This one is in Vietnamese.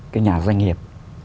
cái nhà doanh nghiệp